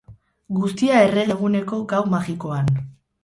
Guztia errege eguneko gau magikoan.